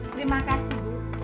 terima kasih bu